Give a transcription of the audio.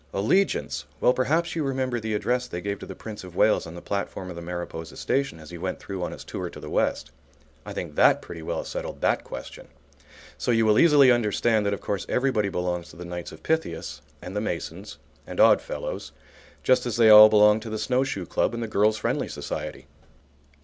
Allegiance! Well, perhaps you remember the address they gave to the Prince of Wales on the platform of the Mariposa station as he went through on his tour to the west. I think that pretty well settled that question. So you will easily understand that of course everybody belongs to the Knights of Pythias and the Masons and Oddfellows, just as they all belong to the Snow Shoe Club and the Girls' Friendly Society.